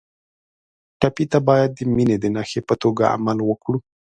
ټپي ته باید د مینې د نښې په توګه عمل وکړو.